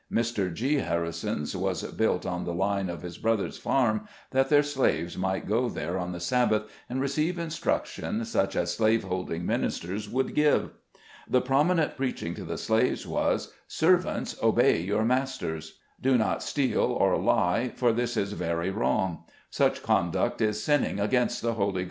Mr. G. Harrison's was built on the line of his brother's farm, that their slaves might go there on the Sabbath and receive instruction, such as slave holding ministers would give. The promi nent preaching to the slaves was, "' Servants, obey your masters' Do not steal or lie, for this is very wrong. Such conduct is sinning against the Holy RELIGIOUS INSTRUCTION.